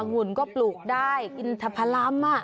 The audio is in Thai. อังุณก็ปลูกได้กินทะพะลำ